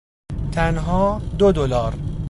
تنها دو دلار